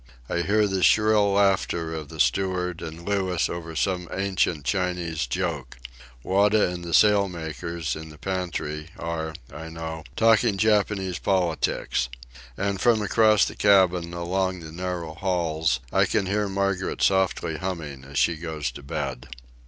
I hear the shrill laughter of the steward and Louis over some ancient Chinese joke. Wada and the sail makers, in the pantry, are, I know, talking Japanese politics. And from across the cabin, along the narrow halls, I can hear Margaret softly humming as she goes to bed.